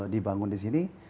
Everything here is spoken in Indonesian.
dibangun di sini